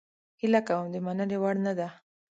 هیله کوم د مننې وړ نه ده